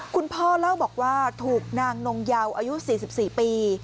คุณพ่อเล่าบอกว่าถูกนางนงเยาอายุ๔๔ปี